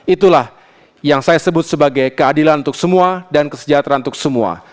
itulah yang saya sebut sebagai keadilan untuk semua dan kesejahteraan untuk semua